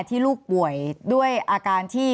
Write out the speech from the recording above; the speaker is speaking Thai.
ที่ลูกป่วยด้วยอาการที่